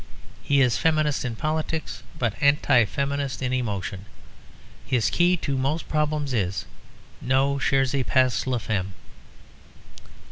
He is Feminist in politics, but Anti feminist in emotion. His key to most problems is, "Ne cherchez pas la femme."